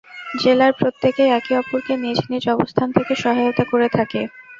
জেলার প্রত্যেকেই একে অপরকে নিজ নিজ অবস্থান থেকে সহায়তা করে থাকে।